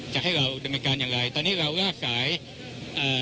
จะให้เราดำเนินการอย่างไรตอนนี้เราแยกสายเอ่อ